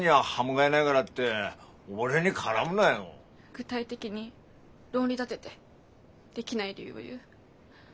具体的に論理立ててできない理由を言う。